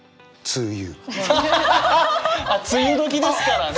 あっ梅雨時ですからね！